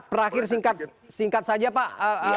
terakhir singkat saja pak